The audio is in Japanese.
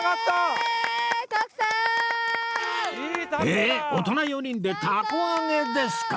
えっ大人４人で凧揚げですか！？